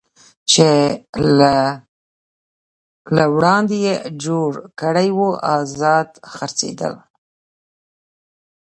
چې لا له وړاندې یې جوړ کړی و، ازاد څرخېدل.